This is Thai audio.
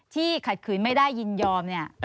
ขัดขืนไม่ได้ยินยอมเนี่ย